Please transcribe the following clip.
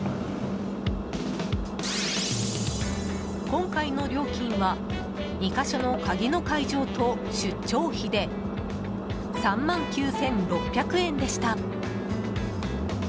今回の料金は２か所の鍵の解錠と出張費で３万９６００円でした。